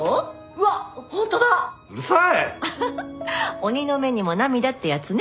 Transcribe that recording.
鬼の目にも涙ってやつね。